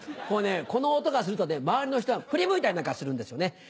もうね、この音がすると周りの人は振り向いたりなんかするんですよね。